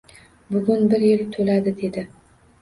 — Bugun bir yil to‘ladi, — dedi.